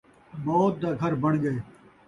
موت دا گھر بݨ ڳئے